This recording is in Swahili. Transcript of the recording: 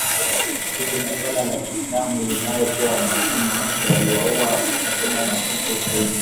Kundi la dola ya kiislamu ilidai kuwa wanachama wake waliwauwa takribani wakristo ishirini.